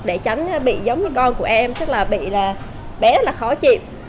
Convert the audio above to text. để tránh bị giống như con của em chắc là bị là bé rất là khó chịu